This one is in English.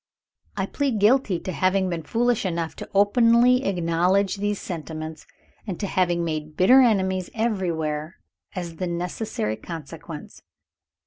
I plead guilty to having been foolish enough to openly acknowledge these sentiments, and to having made bitter enemies everywhere as the necessary consequence.